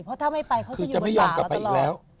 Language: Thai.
เพราะถ้าไม่ไปเขาจะอยู่บรรดาแล้วตลอด